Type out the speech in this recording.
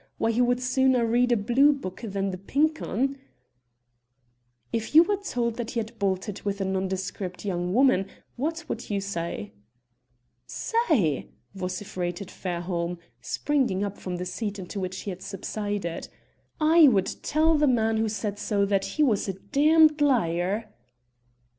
Why, he would sooner read a blue book than the Pink 'Un!" "If you were told that he had bolted with a nondescript young woman, what would you say?" "Say!" vociferated Fairholme, springing up from the seat into which he had subsided, "I would tell the man who said so that he was a d d liar!"